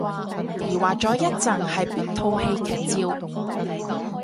疑惑咗一陣係邊套戲劇照